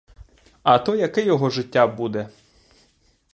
А то яке його життя буде?